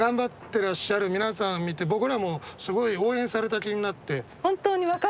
てらっしゃる皆さんを見て僕らもすごい応援された気になって。